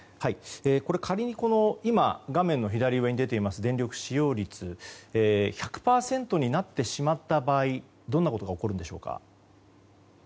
仮に今画面の左上に出ている電気使用量が１００％になってしまった場合どんなことが起こるんでしょうか？